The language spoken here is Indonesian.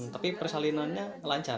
tapi persalinannya lancar